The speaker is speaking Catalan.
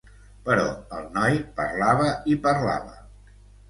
Però el noi parlava i parlava.